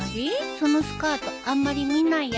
そのスカートあんまり見ないやつだね。